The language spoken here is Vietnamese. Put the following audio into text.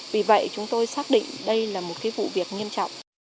vì vậy chúng tôi xác định đây là một vụ việc nghiêm trọng